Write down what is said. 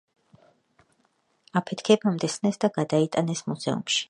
აფეთქებამდე საფლავების ნაწილი გახსნეს და გადაიტანეს მუზეუმში.